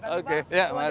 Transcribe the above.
oke baik pak